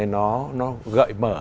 nó gợi mở